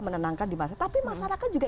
menenangkan di masyarakat tapi masyarakat juga